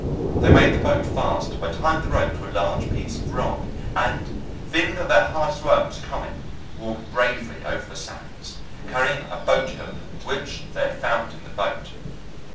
They made the boat fast by tying the rope to a large piece of rock, and feeling that their hardest work was coming walked bravely over the sands, carrying a boat hook which they had found in the boat.